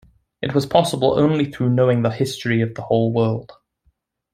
It was possible only through knowing the history of the whole world.